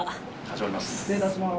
失礼いたします